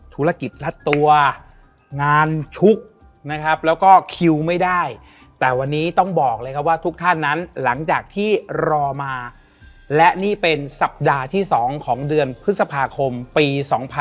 ธุรกิจรัดตัวงานชุกนะครับแล้วก็คิวไม่ได้แต่วันนี้ต้องบอกเลยครับว่าทุกท่านนั้นหลังจากที่รอมาและนี่เป็นสัปดาห์ที่๒ของเดือนพฤษภาคมปี๒๕๖๒